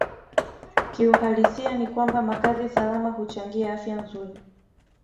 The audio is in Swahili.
Kiuhalisia ni kwamba makazi salama huchangia afya nzuri